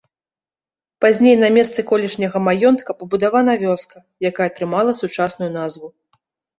Пазней на месцы колішняга маёнтка пабудавана вёска, якая атрымала сучасную назву.